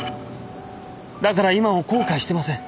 だから今も後悔してません。